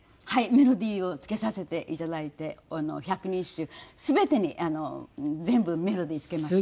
メロディーを付けさせていただいて『百人一首』全てに全部メロディー付けました。